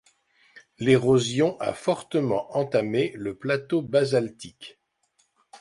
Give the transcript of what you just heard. L'érosion a fortement entamé le plateau basaltique.